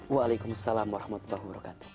waalaikumsalam warahmatullahi wabarakatuh